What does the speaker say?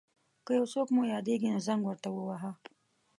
که یو څوک مو یاديږي نو زنګ ورته وواهه.